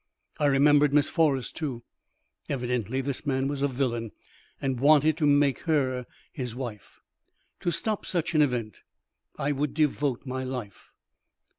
I remembered Miss Forrest too. Evidently this man was a villain, and wanted to make her his wife. To stop such an event, I would devote my life.